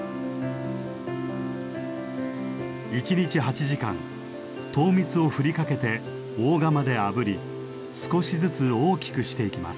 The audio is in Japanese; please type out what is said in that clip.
一日８時間糖蜜を振りかけて大釜であぶり少しずつ大きくしていきます。